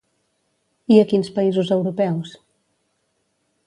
I a quins països europeus?